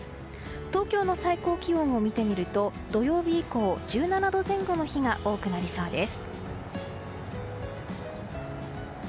東京の最高気温を見てみると土曜日以降１７度前後の日が多くなりそうです。